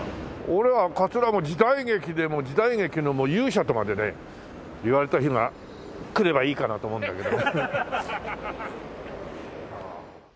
俺はかつら時代劇で時代劇の勇者とまでねいわれた日が来ればいいかなと思うんだけど。